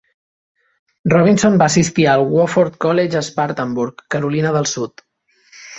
Robinson va assistir al Wofford College a Spartanburg, Carolina del Sud.